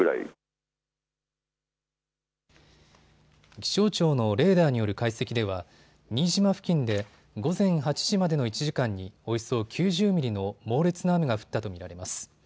気象庁のレーダーによる解析では新島付近で午前８時までの１時間におよそ９０ミリの猛烈な雨が降ったと見られます。